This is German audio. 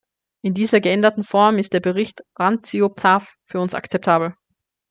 In dieser geänderten Form ist der Bericht Randzio-Plath für uns akzeptabel.